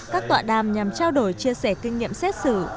các tọa đàm nhằm trao đổi chia sẻ kinh nghiệm xét xử